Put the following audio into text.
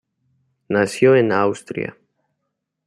Nació en Austria.